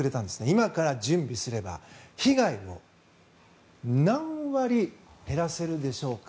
今から準備すれば、被害を何割減らせるでしょうか。